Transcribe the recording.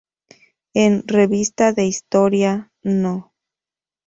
En: Revista de Historia, No.